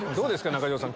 中条さん